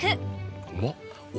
うまっ！